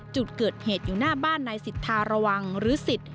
จุดเกิดเหตุอยู่หน้าบ้านนายสิทธาระวังหรือสิทธิ